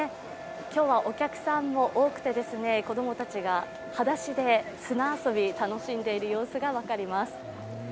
今日はお客さんも多くて子供たちがはだしで砂遊びを楽しんでいる様子が分かります。